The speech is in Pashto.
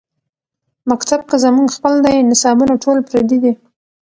مکتب کۀ زمونږ خپل دے نصابونه ټول پردي دي